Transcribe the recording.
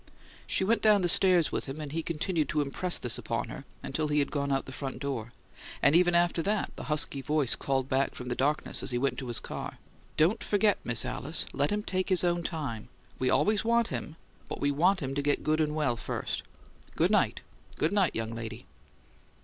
She went down the stairs with him, and he continued to impress this upon her until he had gone out of the front door. And even after that, the husky voice called back from the darkness, as he went to his car, "Don't forget, Miss Alice; let him take his own time. We always want him, but we want him to get good and well first. Good night, good night, young lady!"